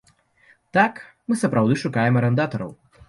Так, мы сапраўды шукаем арандатараў.